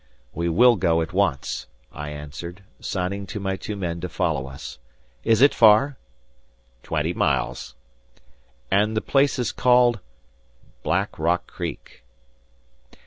"We will go at once," I answered, signing to my two men to follow us. "Is it far?" "Twenty miles." "And the place is called?" "Black Rock Creek."